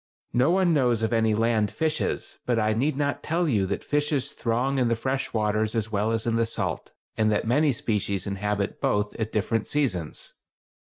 No one knows of any land fishes; but I need not tell you that fishes throng in the fresh waters as well as in the salt, and that many species inhabit both at different seasons.